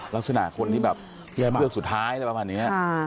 ลักษณะคนที่แบบเฮือกสุดท้ายอะไรประมาณนี้